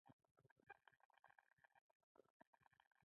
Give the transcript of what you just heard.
هغوی د وفادارۍ نوم اخیسته، خو عدالت نه.